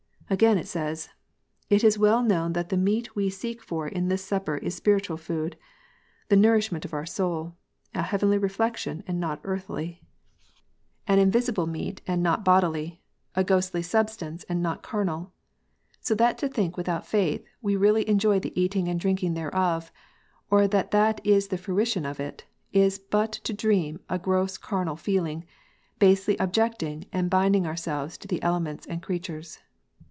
Again, it says : "It is well known that the meat we seek for in this Supper is spiritual food, the nourish ment of our soul, a heavenly refection and not earthly, an THE LORD S SUPPEK. 1*7 5 invisible meat and not bodily, a ghostly substance and not carnal. So that to think that without faith we really enjoy the eating and drinking thereof, or that that is the fruition of it, is but to dream a gross carnal feeling, basely objecting and binding ourselves to the elements and creatures.